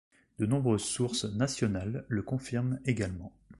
De nombreuses sources nationales le confirment également.